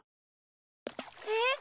えっ？